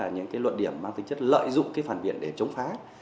những luận điểm mang tính chất lợi dụng phản biện để chống phá